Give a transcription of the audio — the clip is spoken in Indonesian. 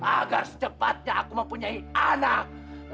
agar secepatnya aku mempunyai anak